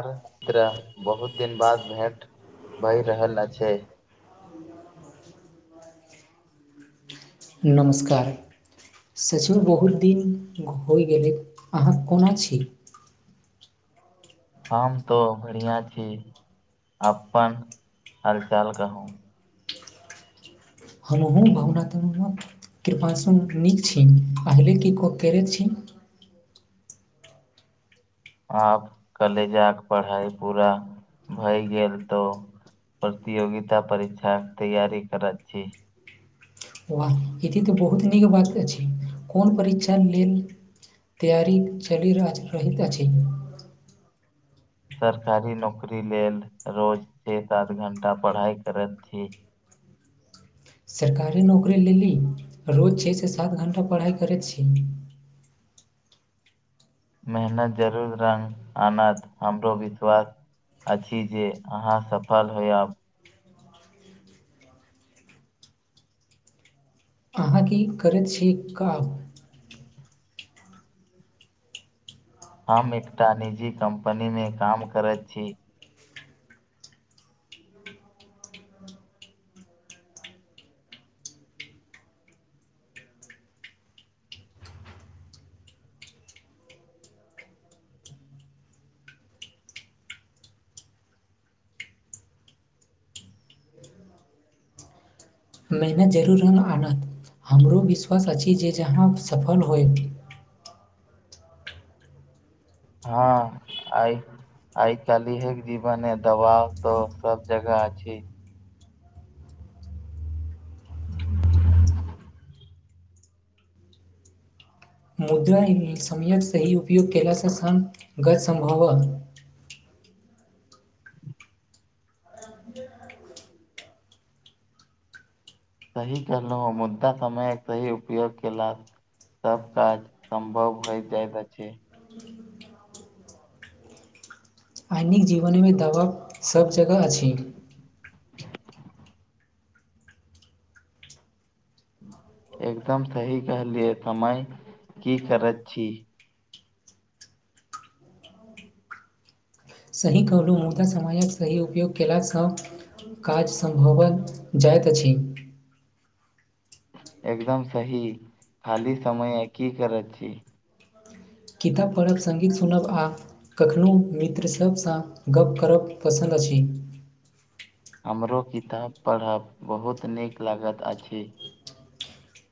अरे, बहुत दिन बाद भेट भऽ रहल अछि। ब नमस्कार सचिन बहुत दिन होइ गेलै अहाँ कोना छै हम तो बढ़िया छै, अपन हालचाल कहू हमहुँ भगनातकऽ कृपाासन नीक छी पहिले की करैत छी आब कलेजाक पढ़ाई पूरा भऽ गेल तऽ प्रतियोगिता परीक्षा तैयार करैत छै वाह ई तऽ बहुत बात अछि, कोन परीक्षा लेलऽ तैयारी चलि रहल अछि। क। सरकारी नौकरी लेलऽ रोज छओ सात घण्टा पढ़ाइ करैत छी। सरकारी नौकरी लेली रोज छओ सँ सात घण्टा पढ़ाइ करैत छै मेहनत जरुर। र हँ, हमरा सेहो विश्वास अछि जे अहाँ सफल होयब। अहाँ कि करैत छी कऽ हम एकटा निजी कम्पनीमे काम करैत छै मेहनत जरूर रहल आनत हमरो विश्वास अछि जे जहा सफल होइ हँ, आइ। आइ काल्हि हे जीवन, दब त सभ जगह छै। [inaudible] मुद्रा समक सही उपयोग कल सँ गत संभव सही कहलहूँ मुद्दा समय सही उपयोग कयेलास सभ काज सम्भव होय जाइत अछि आ दैनिक जीवन मे दबाव सभ जगह अछि। एकदम सही कहलियए समय कि करत छी सही कहलहुँ, मुदा समयक सही उपयोग कयलासँ काज सम्भव अछि। जाइत अछि एकदम सही खाली समय की करैत छी किताब पढ़ब संगङ्गीत सुनब आ कखनो मित्रसँ सँ गप करब पसन्द अछि हमरो किताब पढ़ब बहुत नीक लगैत अछि।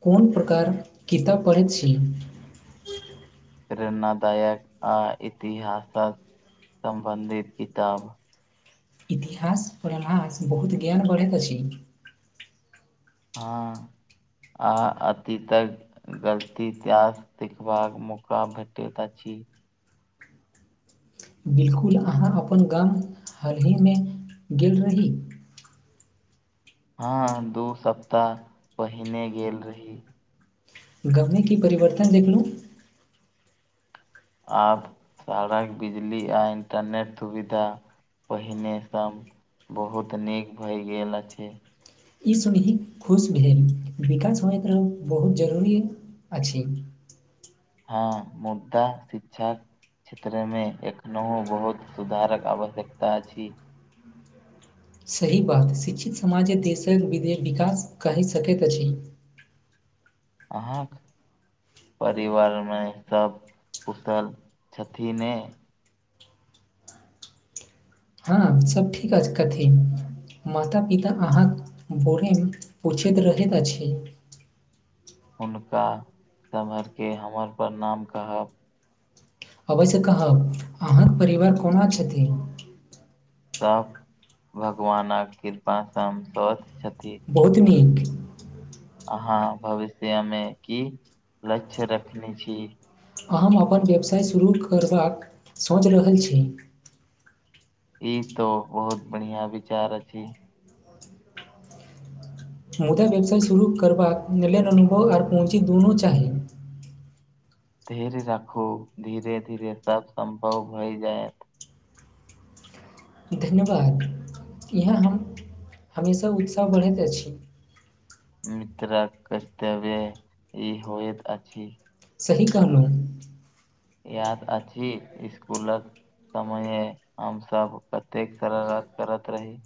कोन प्रकार किताब पढ़ैत छी प्रेरणादायक आ इतिहासक सम्बंधित किताब इतिहास प्रभास बहुत ज्ञान बढ़ैत अछि हँ आ अथी तक गलती त्यास देखबाक मौका भेटैत अछि बिल्कुल अहाँ अपन गाम हालहि में गेल रही हँ दू सप्ताह पहिने गेल रही गाम में की परिवर्तन देखलहुँ? आब सड़क बिजली आ इंटरनेट सुविधा पहिने सब बहुत नीक भय गेल अछि ई सुनही खुश भेल विकास होइ तऽ बहुत जरूरी अछि हँ मुद्दा शिक्षा क्षेत्रमें एखनोहु बहुत सुधारक आवश्यकता अछि सही बात शिक्षित समाजे देशक विकास कहि सकैत अछि अहाँक परिवार में सब कुसल छथि ने हँ सब ठीक कथी माता पिता अहाँ बोरे में पूछैत रहैत अछि हुनका समहरके हमर प्रणाम कहब अवशसँ कहब अहाँक परिवार कोना छथिन सब भगवानक कृपाँ हम स्वस्थ छथि बहुत नीक अहाँ भविष्य में की लक्ष्य रखने छी हम अपन व्यवसाय शुरू करबाक सोचि रहल छी ई तो बहुत बढ़िया विचार अछि मुदा व्यवसाय शुरू करबाक लेल अनुभव आर पहुँची दुनू चाही धेर राखू धीरे धीरे सब सम्भव होइ जायत धन्यवाद इहाँ हम हमेशा उत्साह बढ़ैत अछि मित्रक कर्तव्य ई होयत अछि सही कहलू याद अछि छी इसकुलक समय हम सब कतेक सारा बात करत रही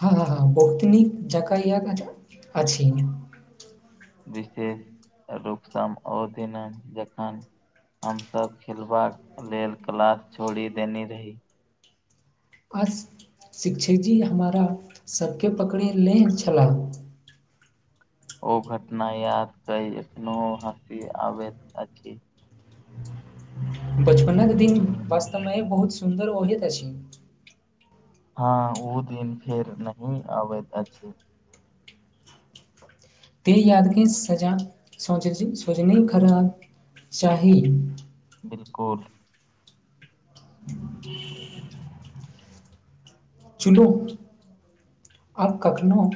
हँ हँ बहुत नीक जकाँ य अछि विशेष रूप सअ दीन जखन हम सब खेलबाका लेल क्लास छोड़ी देने रही आ शिक्षकजी हमरा सबके पकड़ेने छलाह ओ घटना याद कय एखनहु हँसि आबैत अछि पन् के दिन वास्तवमें बहुत सुन्दर ओहत अछि हँ ओ दिन फेर नही आबैत अछि तऽ याद के सजा सो [unintelligible] सोझने खराब चाही बिल्कुल [inaudible] चुलू आब कखनो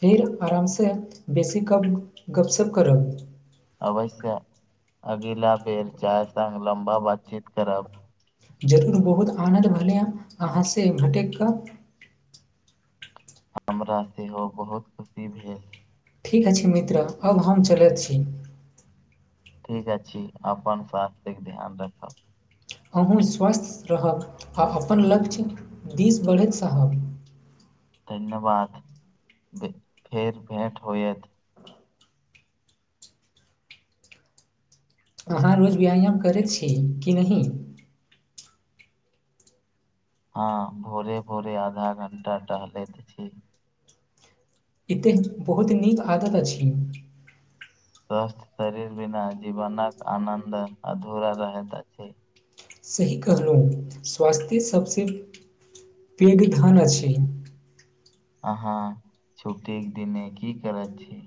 फेर आराम से बेसी कप गपशप करब अवश्य अगीला बेर चाय संग लम्बा बातचीत करब जरूर बहुत आनन्द भेलै हेँ अहाँसँ भटकि कऽ हमरा सेहो बहुत खुशी भेल ठीक अछि मित्र अब हम चलैत छी ठीक अछि अपन स्वास्थ्यके ध्यान रखब अहूँ स्वस्थ रहब आ अपन लक्ष्य दिस बढ़ैत साहब धन्यवाद फेर भेंट होयत अहाँ रोज व्यायाम करैत छी कि नहि हँ भोरे भोरे आधा घंटा टहलेैत छी इते बहुत नीक आदत अछि स्वस्थ शरीर बिना जीवनक आनन्द अधूरा रहैत अछि। सही कहलहुँ स्वास्थ्ये सभसँ पैघ धन अछि अहाँ छुट्टीक दिने की करैत छी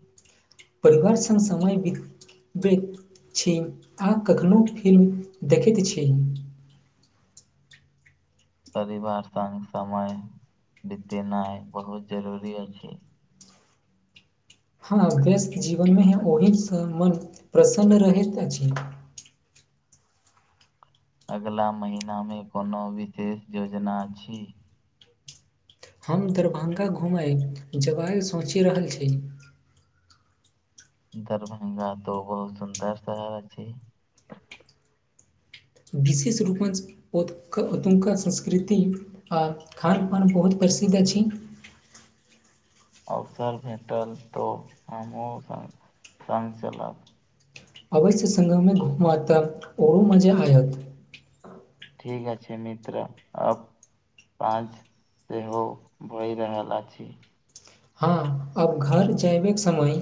परिवार संग समय बितबैत छी अहाँ कखनु फिल्म देखैत छी परिवार संग समय बितेनाइ बहुत जरूरी अछि हँ गृहस्थ जीवनमे ओहिनसँ मन प्रसन्न रहैत अछि अगिला महिनामे कोनो विशेष योजना अछि। हम दरभंगा घुमय जगह सोचि रहल छी। दरभंगा तो बहुत सुन्दर शहर अछि। विशेष रूपसँ ओत ओतुका संस्कृति आ खानपान बहुत प्रसिद्ध अछि। अवसर भेटल तऽ हमहूँ संग संग चलब अबै से संग मे घूमब तऽ औरो मजा आयत ठीक अछि मित्र अब पाँच सेहो भए रहल अछि। हँ अब घर जएबेके समय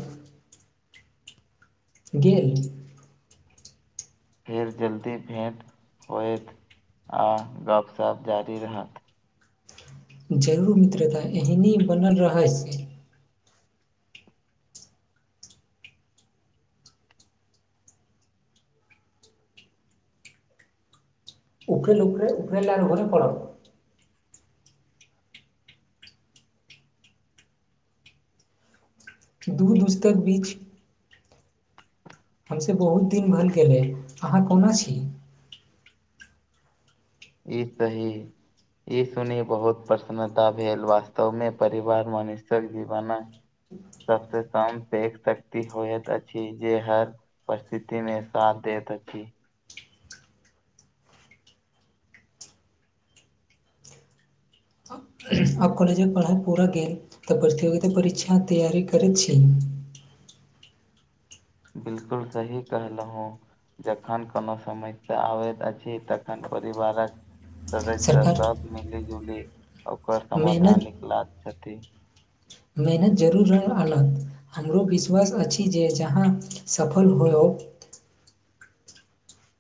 गेल फेर जल्दी भेट होयत आ गपशप जारी रहत जरूर मित्रता एहने बनल रहैस उफेल उफेल ल घरे पड़ब दू दोस्तक बीच हमसे बहुत दिन भरि गेले अहाँ कोना छी ई तही ई सुनी बहुत प्रसन्नता भेल वास्तव मे परिवार मनुष्यक जीवन सबसँ शांत एक शक्ति होइत अछि जे हर परिस्थिति मे साथ देत अछि। आब कॉलेजक पढ़ाइ पूरा गेल तऽ प्रतियोगिता परीक्षाक तैयार करैत छी बिलकुल सही कहलहु जखन कोनो समस्या आबैत अछि तखन परिवारक सदस्य सब मिली जुली ओकर समाधान निकला छथि मेहनत जरूर रहल आनन्द हमरो विश्वास अछि जे जहाँ सफल होओ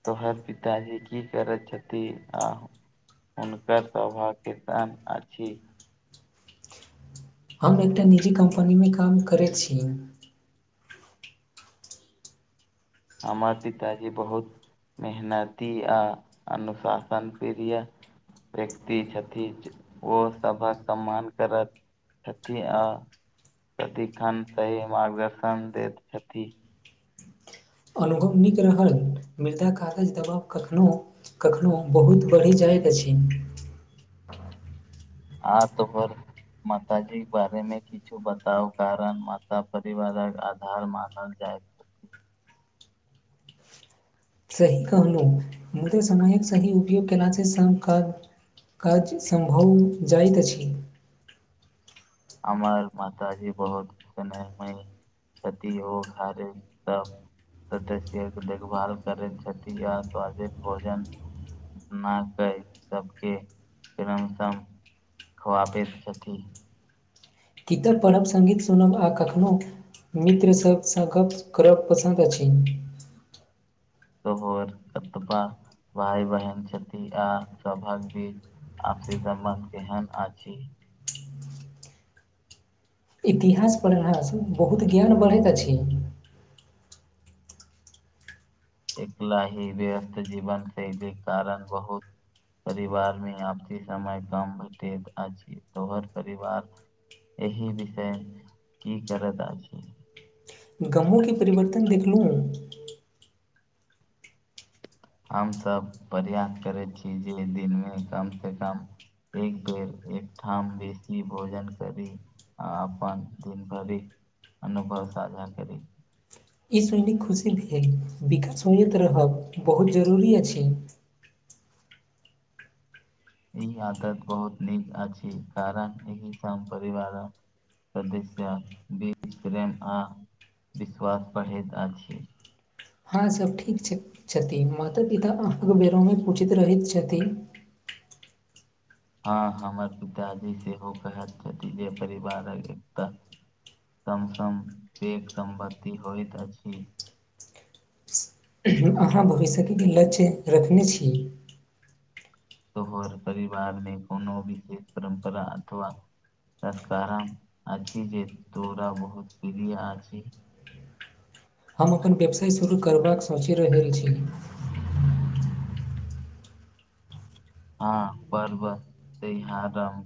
तो हर पिताजी की करैत छथि आह हुनकर स्वभाव केसन अछि हम एकटा निजी कम्पनी में काम करैत छी हमर पिताजी बहुत मेहनती आ अनुशासन प्रिय व्यक्ति छथिन ओ सबक सम्मान करत छथि आ सदि खान सही मार्गदर्शन दैत छथि अनुभव नीक रहल मृदा कागज दबाव कखनो कखनो हम बहुत बढ़ी जाइत अछि हँ तऽ फर माता जी के बारे में किछु बताव कारण माता परिवारक आधार मानल जाय सही कहलहु समयक सही उपयोग केला [unintelligible] काज सम्भव जाइत अछि हमर माताजी बहुत प्रसन्न में कथ होग हरे सब सदस्य के देखभाल करैत छथि आ स स्वादिष्ट भोजन कऽ सबके कमशम खोबे छथि कितब पढ़ब संगीत सुनब आ कखनो मित्र सब करब पसन्द अछि र कतबा भाय बहन छथि आ सौभाग भी आपसी संबन्ध केहन अछि इतिहास पढ़लासँ बहुत ज्ञान बढ़ैत अछि एकला ही व्यस्त जीवन छय जे कारण बहुत परिवार मे आ समय कम भेटत अछि तोहर परिवार एहि विषय की करत अछि गाँमो के परिवर्तन देखलू हमसब प्रयास करै छी जे दिन मे कम से कम एक बेर एक ठाम बेसी भोजन करी आ अपन दिन भरि अनुभव साझा करी ई सुनिके खुशी भेल विकास सुनैत रहब बहुत जरूरी अछि ई आदत बहुत नीक अछि कारण एहि सम परिवार सदस्या बीच प्रेम आ विश्वास पढ़ैत अछि हँ सब ठीक छथि माता पिता अहाँके बेरे में पूछैत रहैत छथि हँ हमर पिताजी सेहो कहैत छथि जे परिवारक एकता सम सम देख सम्पत्ति होइत अछि अहाँ भविष्यके लक्ष्य रखने छी तो हर परिवारमें कोनो विशेष परम्परा अथा तस्कारम अ जे दोरा बहुत पड़िया अ हम अपन व्यवसाय शुरू करा सोचि रहल छी [unintelligible] हँ पर्व त्यहार